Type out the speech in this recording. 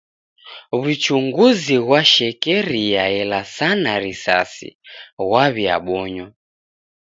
W'uchunguzi ghwa shekeria elasana risasi ghwaw'iabonywa.